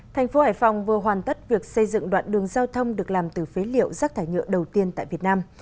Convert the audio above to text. thành phố hải phòng vừa hoàn tất việc xây dựng đoạn đường giao thông được làm từ phế liệu rác thải nhựa đầu tiên tại việt nam